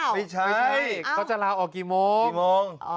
ไม่ใช่เขาจะลาออกกี่โมง